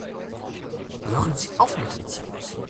Hören Sie auf mit dem Zirkus!